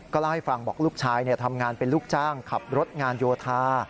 เล่าให้ฟังบอกลูกชายทำงานเป็นลูกจ้างขับรถงานโยธา